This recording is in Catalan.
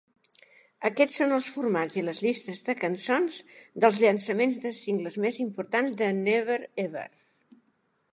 Aquests són els formats i les llistes de cançons dels llançaments de singles més importants de "Never Ever".